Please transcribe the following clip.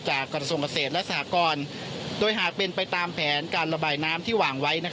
กระทรวงเกษตรและสหกรโดยหากเป็นไปตามแผนการระบายน้ำที่วางไว้